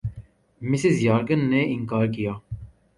Mrs یئرگن نے اِنکار کِیا